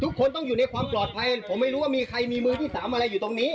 ทุกคนต้องอยู่ในความปลอดภัยผมไม่รู้ว่ามีใครมีมือที่สามอะไรอยู่ตรงนี้